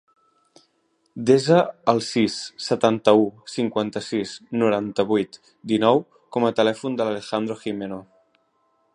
Desa el sis, setanta-u, cinquanta-sis, noranta-vuit, dinou com a telèfon de l'Alejandro Gimeno.